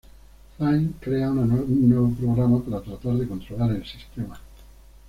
Flynn crea un nuevo programa para tratar de controlar el sistema.